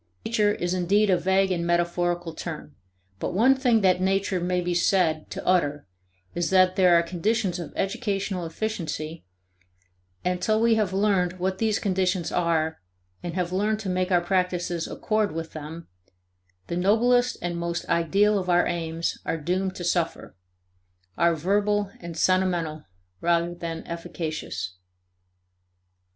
"Nature" is indeed a vague and metaphorical term, but one thing that "Nature" may be said to utter is that there are conditions of educational efficiency, and that till we have learned what these conditions are and have learned to make our practices accord with them, the noblest and most ideal of our aims are doomed to suffer are verbal and sentimental rather than efficacious.